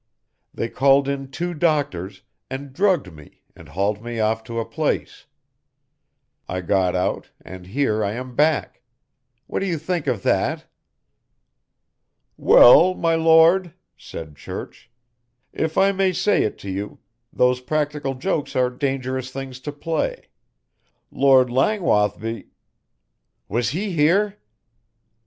They called in two doctors and drugged me and hauled me off to a place. I got out, and here I am back. What do you think of that?" "Well, my Lord," said Church, "if I may say it to you, those practical jokes are dangerous things to play Lord Langwathby " "Was he here?"